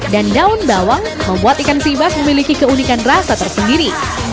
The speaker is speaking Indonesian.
daun bawang membuat ikan sibas memiliki keunikan rasa tersendiri